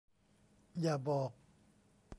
อย่าบอก